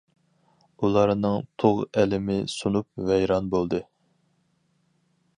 ئۇلارنىڭ تۇغ ئەلىمى سۇنۇپ ۋەيران بولدى.